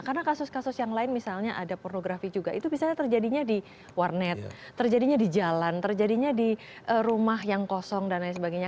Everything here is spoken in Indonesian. karena kasus kasus yang lain misalnya ada pornografi juga itu misalnya terjadinya di warnet terjadinya di jalan terjadinya di rumah yang kosong dan lain sebagainya